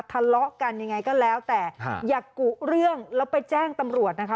ทะเลาะกันยังไงก็แล้วแต่อย่ากุเรื่องแล้วไปแจ้งตำรวจนะคะ